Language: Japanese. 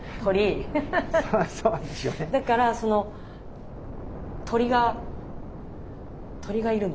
だからその鳥が鳥がいるの？